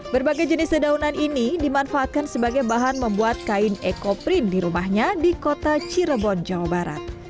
berbagai jenis dedaunan ini dimanfaatkan sebagai bahan membuat kain ekoprint di rumahnya di kota cirebon jawa barat